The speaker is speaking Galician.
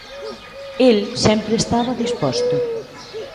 El sempre estaba disposto.